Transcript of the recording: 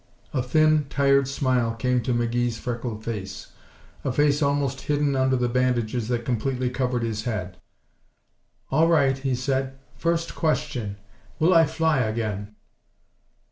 A thin, tired smile came to McGee's freckled face, a face almost hidden under the bandages that completely covered his head. "All right," he said. "First question will I fly again?"